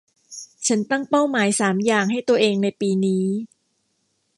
ฉันตั้งเป้าหมายสามอย่างให้ตัวเองในปีนี้